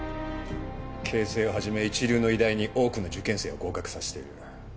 慶西を始め一流の医大に多くの受験生を合格させている。